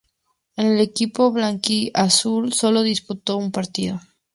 En el equipo blanquiazul solo disputó un partido.